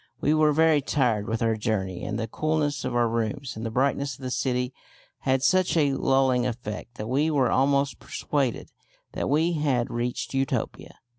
We were very tired with our journey, and the coolness of our rooms and the brightness of the city had such a lulling effect that we were almost persuaded that we had reached Utopia.